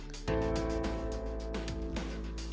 tanah lot memiliki beberapa perkembangan